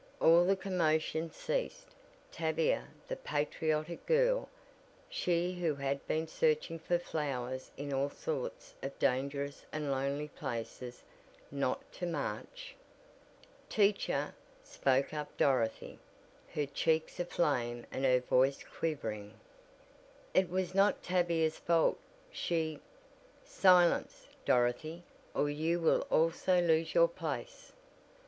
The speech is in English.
All the commotion ceased. Tavia the patriotic girl she who had been searching for flowers in all sorts of dangerous and lonely places not to march? "Teacher," spoke up Dorothy, her cheeks aflame and her voice quivering. "It was not Tavia's fault. She " "Silence, Dorothy, or you will also lose your place."